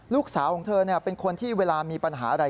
ลูกสาวของเธอเป็นคนที่เวลามีปัญหาอะไร